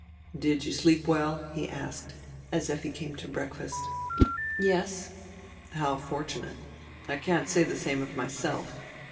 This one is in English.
"Did you sleep well!" he asked, as Effi came to break fast. "Yes." "How fortunate! I can't say die same of myself.